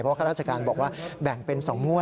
เพราะข้าราชการบอกว่าแบ่งเป็น๒งวด